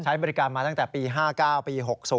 ใช้บริการมาตั้งแต่ปี๕๙ปี๖๐